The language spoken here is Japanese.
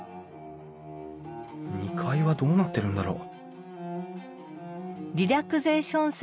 ２階はどうなってるんだろう？